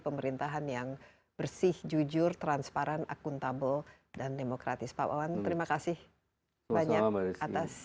pemerintahan yang bersih jujur transparan akuntabel dan demokratis pak wawan terima kasih banyak atas